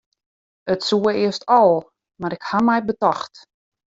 It soe earst al, mar ik haw my betocht.